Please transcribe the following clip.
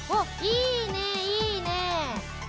いいねいいね！